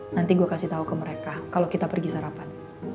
nanti gue kasih tau ke mereka kalau kita pergi sarapan